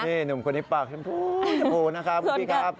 นี่หนุ่มคนที่ปากจะพูดนะครับพี่พี่ครับ